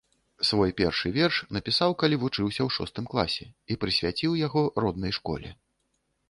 Свой першы верш напісаў, калі вучыўся ў шостым класе, і прысвяціў яго роднай школе.